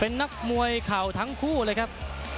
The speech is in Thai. เป็นนักมวยเข่าทั้งคู่เลยครับ